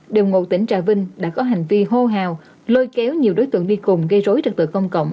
đều ngụ tỉnh trà vinh đã có hành vi hô hào lôi kéo nhiều đối tượng đi cùng gây rối trật tự công cộng